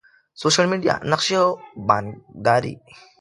سوشل میډیا، نقشي او بانکداری